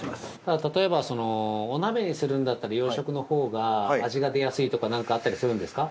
◆例えば、お鍋にするんだったら養殖のほうが味が出やすいとかなんかあったりするんですか？